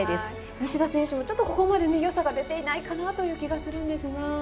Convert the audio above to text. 西田選手もここまでよさが出ていないなという感じがするんですが。